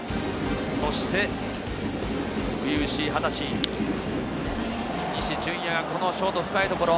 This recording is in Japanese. そして初々しい２０歳、西純矢がこのショート、深いところ。